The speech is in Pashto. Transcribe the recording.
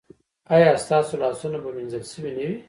ایا ستاسو لاسونه به مینځل شوي نه وي؟